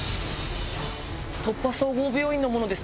突破総合病院の者です